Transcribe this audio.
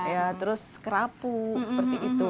ya terus kerapu seperti itu